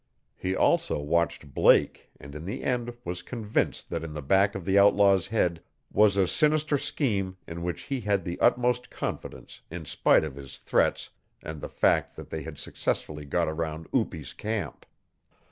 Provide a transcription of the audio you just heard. He also watched Blake and in the end was convinced that in the back of the outlaw's head was a sinister scheme in which he had the utmost confidence in spite of his threats and the fact that they had successfully got around Upi's camp.